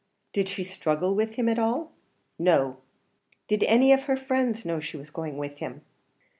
"Did she struggle with him at all?" "No." "Did any of her friends know she was going with him?"